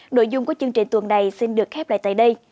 nội dung của chương trình tuần này xin được khép lại tại đây